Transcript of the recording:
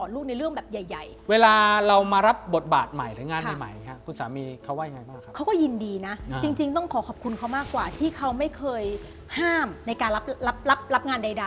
เราดูองศาของหน้าก่อน